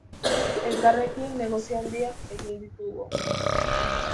Elkarrekin negozio handiak egin ditugu.